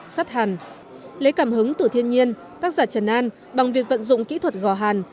sắt hàn lấy cảm hứng từ thiên nhiên tác giả trần an bằng việc vận dụng kỹ thuật gò hàn